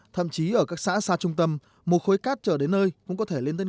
thậm chí ở các xã xa trung tâm một khối cát chở đến nơi cũng có thể lên tới sáu trăm linh đồng